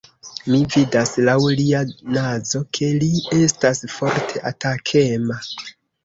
Mi vidas laŭ lia nazo, ke li estas forte atakema.